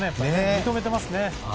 認めてますね。